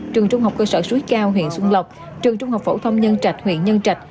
trường trung học cơ sở suối cao huyện xuân lộc trường trung học phổ thông nhân trạch huyện nhân trạch